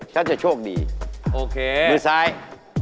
ฉันจะโชคดีมือซ้ายโอเค